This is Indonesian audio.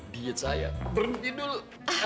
diet saya berhenti dulu